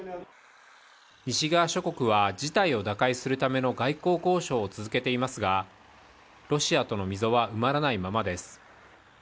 西側諸国は事態を打開するための外交交渉を続けていますが、ロシアとの溝は埋まらないままです。